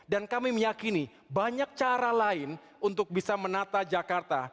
dan kami meyakini banyak cara lain untuk bisa menata jakarta